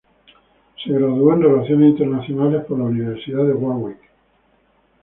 Se graduó en relaciones internacionales por la Universidad de Warwick.